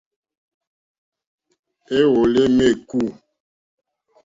Éwòló émá ékú.